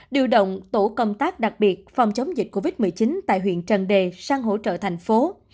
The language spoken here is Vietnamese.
điều động tổ công tác đặc biệt phòng chống dịch covid một mươi chín tại huyện trần đề sang hỗ trợ thành phố